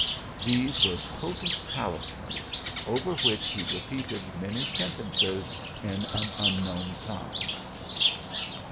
These were po tent talismans, over which he repeated many sen tences in an unknown tongue.